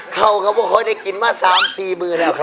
เขาก็เคยได้กินมา๓๔มือแล้วครับ